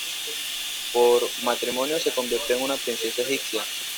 Por matrimonio se convirtió en una princesa egipcia.